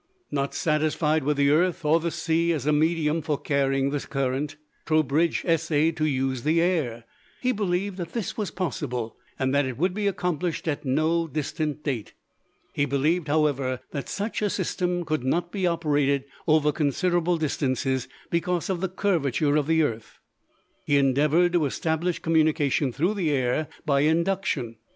Not satisfied with the earth or the sea as a medium for carrying the current, Trowbridge essayed to use the air. He believed that this was possible, and that it would be accomplished at no distant date. He believed, however, that such a system could not be operated over considerable distances because of the curvature of the earth. He endeavored to establish communication through the air by induction.